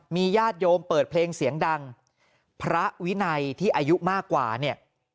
มีญาติโยมเปิดเพลงเสียงดังพระวินัยที่อายุมากกว่าเนี่ย